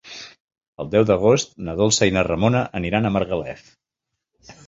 El deu d'agost na Dolça i na Ramona aniran a Margalef.